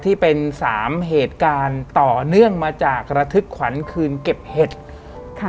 ที่เป็นสามเหตุการณ์ต่อเนื่องมาจากระทึกขวัญคืนเก็บเห็ดค่ะ